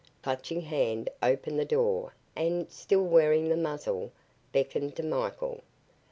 Clutching Hand opened the door and, still wearing the muzzle, beckoned to Michael.